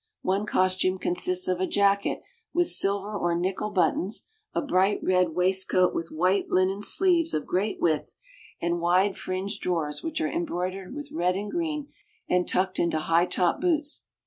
One costume consists of a jacket with silver or nickel buttons, a bright red waistcoat with white linen sleeves of great width, and wide fringed drawers which are embroidered with red and green, and tucked into high top boots.